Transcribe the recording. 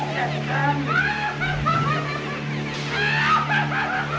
walau di mana saat itu kamu tahu